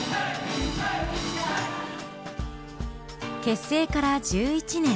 結成から１１年。